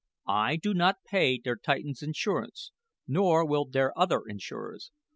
I do not pay der Titan's insurance nor will der other insurers.